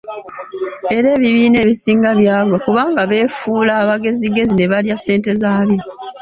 Era ebibiina ebisinga byagwa kubanga beefuula abagezigezi ne balya ssente zaabyo.